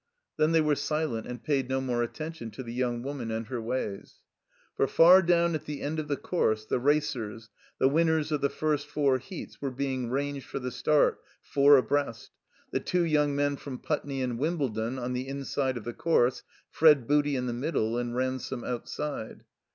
Then they were silent and paid no more attention to the young woman and her wa3rs. For far down at the end of the course the racers, the winners of the first four heats, were being ranged for the start, four abreast ; the two yotmg men from Putney and Wimbledon on the inside of the course, Fred Booty in the middle, and Ransome outside.